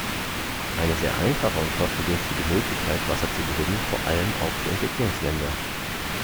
Eine sehr einfache und kostengünstige Möglichkeit Wasser zu gewinnen, vor allem auch für Entwicklungsländer.